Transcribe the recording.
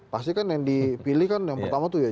pasti kan yang dipilih kan yang pertama tuh ya